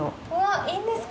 いいんですか？